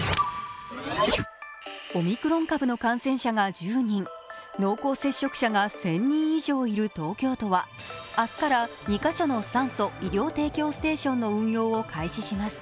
オミクロン株の感染者が１０人、濃厚接触者が１０００人以上いる東京都は明日から、２カ所の酸素・医療提供ステーションの運用を開始します。